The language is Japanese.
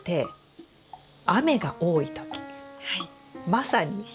まさに。